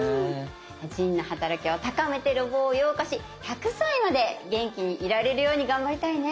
腎の働きを高めて老化を予防し１００歳まで元気にいられるように頑張りたいね。